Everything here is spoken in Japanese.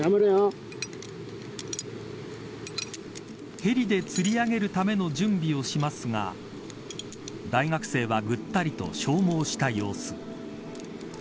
ヘリでつり上げるための準備をしますが大学生はぐったりと消耗した様子。